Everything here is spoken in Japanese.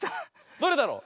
どれだろう？